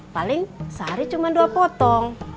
paling sehari cuma dua potong